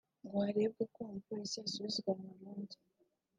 ngo harebwe ko uwo mupolisi yasubizwa mu Burundi